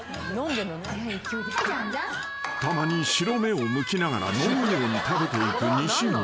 ［たまに白目をむきながらのむように食べていく西本］